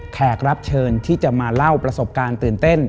แขกรับเชิญที่จะมาเล่าประสบการณ์ตื่นเต้น